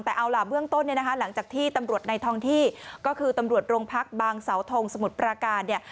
แต่เอาล่ะเบื้องต้นเนี่ยนะคะหลังจากที่ตำรวจในทองที่ก็คือตำรวจโรงพักบางเสาทงสมุทรปราการเนี่ย